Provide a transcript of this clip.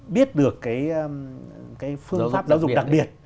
biết được cái phương pháp giáo dục đặc biệt